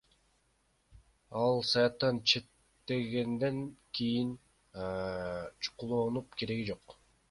Ал саясаттан четтегенден кийин чукулоонун кереги жок.